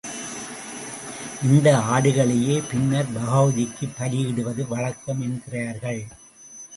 இந்த ஆடுகளையே பின்னர் பகவதிக்கு பலியிடுவது வழக்கம் என்கிறார்கள்.